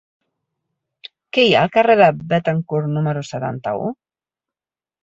Què hi ha al carrer de Béthencourt número setanta-u?